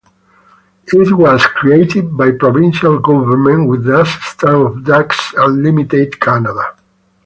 It was created by the provincial government with the assistance of Ducks Unlimited Canada.